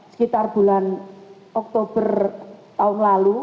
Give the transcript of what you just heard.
sekitar bulan oktober tahun lalu